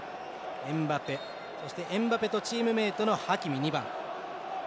エムバペ、そしてエムバペとチームメートのハキミ２番。